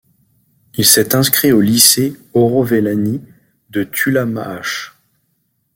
Il s'est inscrit au lycée Orhovelani de Thulamahashe.